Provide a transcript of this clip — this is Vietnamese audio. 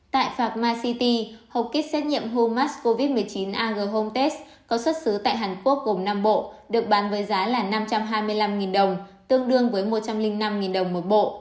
tại phạm ma city hộp kích xét nghiệm homas covid một mươi chín agro home test có xuất xứ tại hàn quốc gồm năm bộ được bán với giá là năm trăm hai mươi năm đồng tương đương với một trăm linh năm đồng một bộ